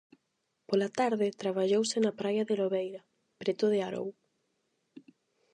Pola tarde traballouse na praia de Lobeira preto de Arou.